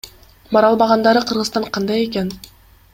Бара албагандары Кыргызстан кандай экен?